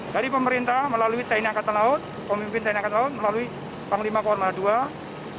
dari pemerintah melalui tni angkatan laut pemimpin tni angkatan laut melalui panglima korma ii